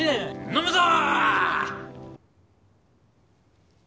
飲むぞ！